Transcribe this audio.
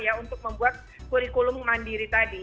ya untuk membuat kurikulum mandiri tadi